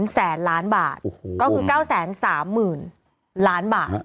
แสนล้านบาทก็คือ๙๓๐๐๐ล้านบาท